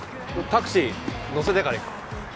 タクシー乗せてから行く。